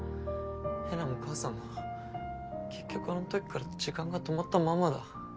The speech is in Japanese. えなも母さんも結局あの時から時間が止まったまんまだ。